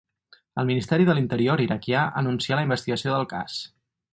El Ministeri de l'Interior iraquià anuncià la investigació del cas.